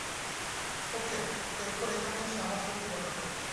ওকে, এরপর এখানে এসে আমার সাথে দেখা করো।